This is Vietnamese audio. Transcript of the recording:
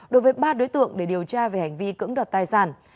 đối với ba đối tượng để điều tra về hành vi cưỡng đoạt tài sản